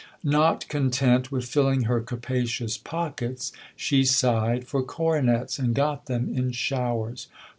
Not content with filling her capacious pockets, she sighed for coronets and got them in showers.